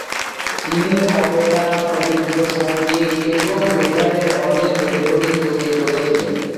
তিনি অপেরা, পবিত্র সংগীত এবং লেডারের অনেক রেকর্ডিং তৈরি করেছিলেন।